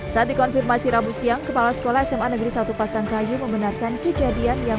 saat dikonfirmasi rabu siang kepala sekolah sma negeri satu pasangkayu membenarkan kejadian yang